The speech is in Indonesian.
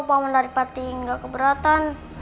pak man daripada tinggal keberatan